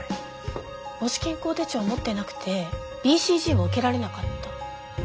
母子健康手帳を持ってなくてＢＣＧを受けられなかった。